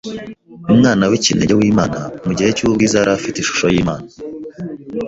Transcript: Umwana w’ikinege w’Imana, mu gihe cy’ubwiza yari afite ishusho y’Imana